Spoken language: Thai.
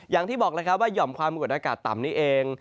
อย่างที่บอกเลยว่ายอมความบุคลไกรต่ำนี้เอง